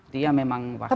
dia memang wartawan